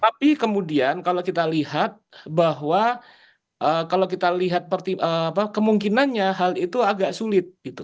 tapi kemudian kalau kita lihat bahwa kalau kita lihat kemungkinannya hal itu agak sulit